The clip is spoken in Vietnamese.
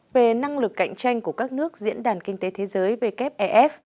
về năng lực cạnh tranh của các nước diễn đàn kinh tế thế giới wef